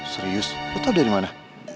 serius itu ada dimana